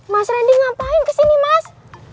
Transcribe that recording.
mas randy ngapain kesini mas